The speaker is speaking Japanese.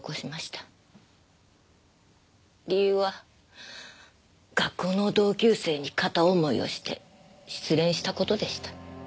理由は学校の同級生に片思いをして失恋した事でした。